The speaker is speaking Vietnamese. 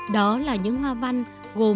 đó là những hoa văn gồm